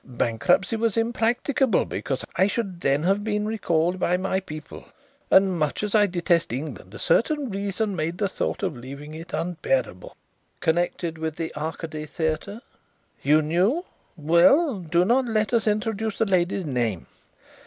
Bankruptcy was impracticable because I should have then been recalled by my people, and much as I detest England a certain reason made the thought of leaving it unbearable." "Connected with the Arcady Theatre?" "You know? Well, do not let us introduce the lady's name.